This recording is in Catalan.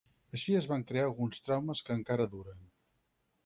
Així es van crear alguns traumes que encara duren.